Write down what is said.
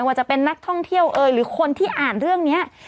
ว่าจะเป็นนักท่องเที่ยวเอ่ยหรือคนที่อ่านเรื่องนี้